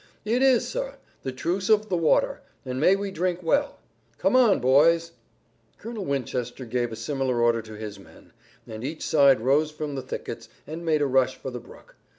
"It is, sir; the truce of the water, and may we drink well! Come on, boys!" Colonel Winchester gave a similar order to his men, and each side rose from the thickets, and made a rush for the brook.